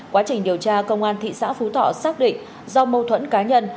quá trình điều tra công an thị xã phú thọ xác định do mâu thuẫn cá nhân